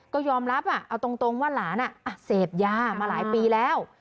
ก็ยอมรับเอาตรงว่าหลานเสพยามาหลายปีแล้ว